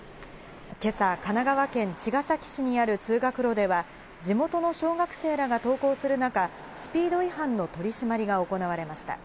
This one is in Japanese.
今朝、神奈川県茅ヶ崎市にある通学路では地元の小学生らが登校する中、スピード違反の取り締まりが行われました。